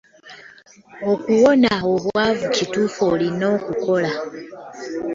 “Okuwona obwavu kituufu olina kukola."